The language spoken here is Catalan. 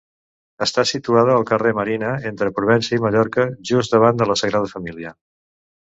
Està situada al carrer Marina entre Provença i Mallorca, just davant de la Sagrada Família.